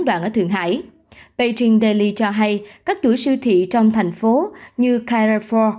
đoạn ở thượng hải beijing daily cho hay các chuỗi siêu thị trong thành phố như cairefour